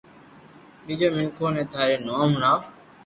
ٻيجو مينکو ني ٿارو نوم ھڻاو